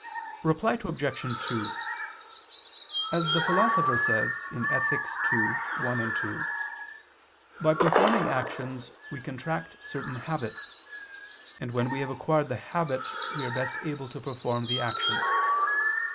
Reply Obj. 2: As the Philosopher says (Ethic. ii, 1, 2), by performing actions we contract certain habits, and when we have acquired the habit we are best able to perform the actions.